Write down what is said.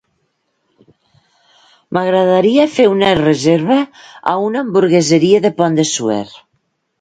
M'agradaria fer una reserva a una hamburgueseria de Pont de Suert.